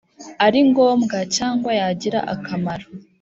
Ari ngombwa cyangwa yagira akamaro